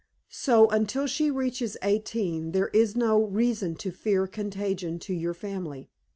"So until she reaches eighteen there is no reason to fear contagion to your family.